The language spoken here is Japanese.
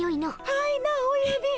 はいなおやびん。